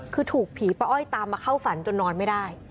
คือถูกผีป้าอ้อยตามมาเข้าฝันจนนอนไม่ได้